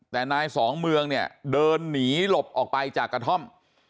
แต่นายสองเมืองเนี่ยเดินหนีหลบออกไปจากกระท่อม